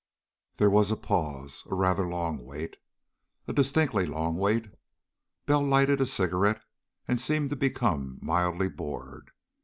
There was a pause. A rather long wait. A distinctly long wait. Bell lighted a cigarette and seemed to become mildly bored.